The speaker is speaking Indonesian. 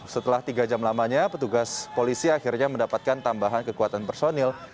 setelah tiga jam lamanya petugas polisi akhirnya mendapatkan tambahan kekuatan personil